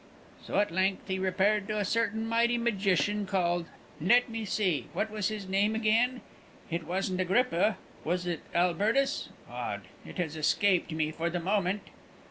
So at length he repaired to a certain mighty magician called Let me see, what was his name again? It wasn't Agrippa was it Albertus? Odd; it has escaped me for the moment."